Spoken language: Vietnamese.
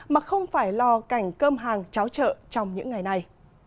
mà không phải lo cảnh cơm hàng cháo trợ trong những ngày này